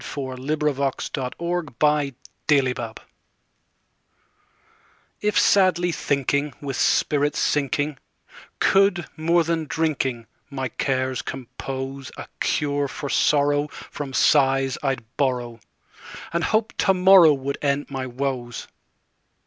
Let Us Be Merry Before We Go IF SADLY thinking, with spirits sinking, Could, more than drinking, my cares composeA cure for sorrow from sighs I'd borrow, And hope to morrow would end my woes.